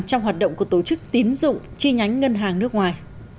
trong hoạt động của tổ chức tín dụng chi nhánh ngân hàng nước ngoài